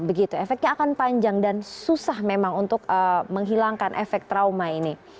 begitu efeknya akan panjang dan susah memang untuk menghilangkan efek trauma ini